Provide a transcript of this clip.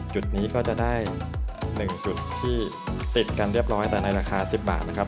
จุดนี้ก็จะได้๑จุดที่ติดกันเรียบร้อยแต่ในราคา๑๐บาทนะครับ